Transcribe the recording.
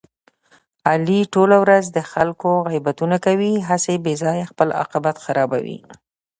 علي ټوله ورځ د خلکو غیبتونه کوي، هسې بې ځایه خپل عاقبت خرابوي.